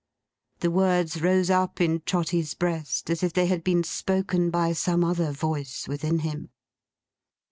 The words rose up in Trotty's breast, as if they had been spoken by some other voice within him.